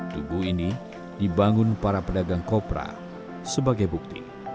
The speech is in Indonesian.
tugu ini dibangun para pedagang kopra sebagai bukti